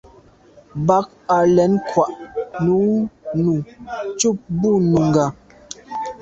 Bə̀k à' lɛ̌n kwāh nʉ́nʉ̄ cúp bú Nùngà.